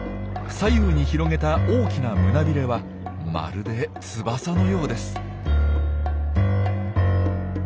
左右に広げた大きな胸ビレはまるで翼のようです。